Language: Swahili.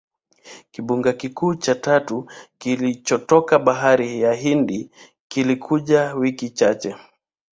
Kimbunga kikuu cha tatu kilichotoka Bahari ya Hindi kilikuja wiki chache